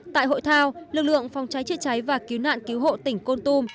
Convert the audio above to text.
tại hội thao lực lượng phòng cháy chữa cháy và cứu nạn cứu hộ tỉnh côn tùm